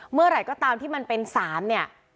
เมื่อไหร่ก็ตามที่มันเป็น๓เนี่ย